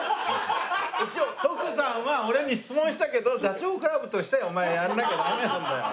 一応徳さんは俺に質問したけどダチョウ倶楽部としてお前やんなきゃダメなんだよ。